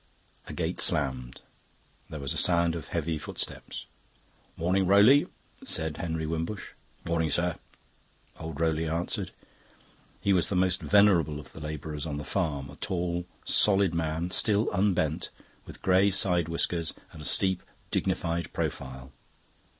A gate slammed; there was a sound of heavy footsteps. "Morning, Rowley!" said Henry Wimbush. "Morning, sir," old Rowley answered. He was the most venerable of the labourers on the farm a tall, solid man, still unbent, with grey side whiskers and a steep, dignified profile.